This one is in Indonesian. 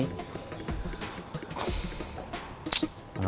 pake rame lagi